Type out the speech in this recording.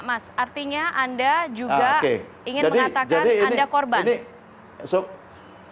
mas artinya anda juga ingin mengatakan anda korban